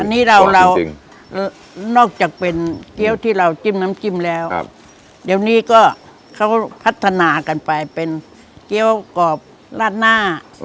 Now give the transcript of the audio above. อันนี้เราเรานอกจากเป็นเกี้ยวที่เราจิ้มน้ำจิ้มแล้วเดี๋ยวนี้ก็เขาพัฒนากันไปเป็นเกี้ยวกรอบราดหน้า